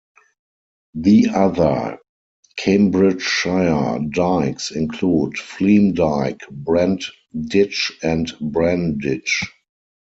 The other Cambridgeshire dykes include Fleam Dyke, Brent Ditch and Bran ditch.